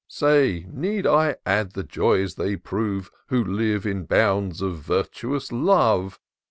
Say, need I add the joys they prove. Who live in bounds of virtuous love